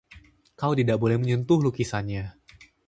Kau tidak boleh menyentuh lukisannya.